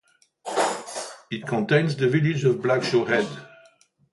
It contains the village of Blackshaw Head.